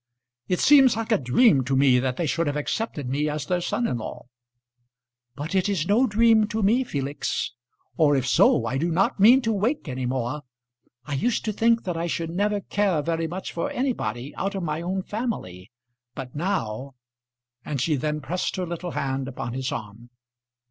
"It seems like a dream to me that they should have accepted me as their son in law." "But it is no dream to me, Felix; or if so, I do not mean to wake any more. I used to think that I should never care very much for anybody out of my own family; but now " And she then pressed her little hand upon his arm.